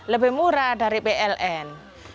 lebih murah dari pln